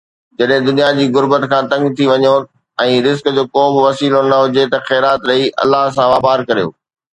جڏهن دنيا جي غربت کان تنگ ٿي وڃو ۽ رزق جو ڪو به وسيلو نه هجي ته خيرات ڏئي الله سان واپار ڪريو.